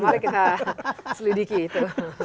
mari kita selidiki itu